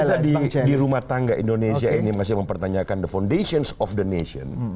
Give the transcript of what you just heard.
kalau ada di rumah tangga indonesia ini masih mempertanyakan the foundation of the nation